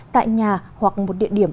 tại nhà hoặc một địa điểm